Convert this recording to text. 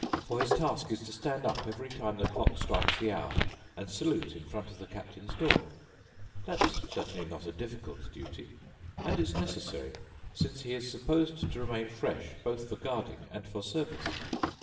For his task is to stand up every time the clock strikes the hour and salute in front of the captain's door. That's certainly not a difficult duty—and it's necessary, since he is supposed to remain fresh both for guarding and for service.